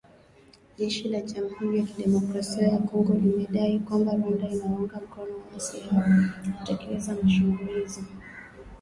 Jeshi la Jamhuri ya Kidemokrasia ya Kongo limedai kwamba Rwanda inawaunga mkono waasi hao kutekeleza mashambulizi dhidi ya kambi za jeshi mashariki mwa nchi hiyo.